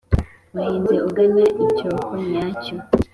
wahinze ugana icyoko nyacyo